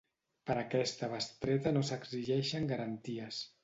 Per a aquesta bestreta no s'exigeixen garanties.